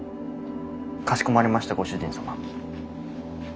かしこまりましたご主人様。